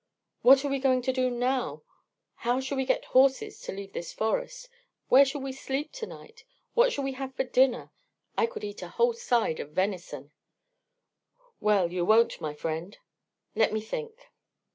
What are we going to do now? How shall we get horses to leave this forest? Where shall we sleep to night? What shall we have for dinner? I could eat a whole side of venison." "Well, you won't, my friend. Let me think."